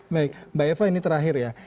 baik mbak eva ini terakhir ya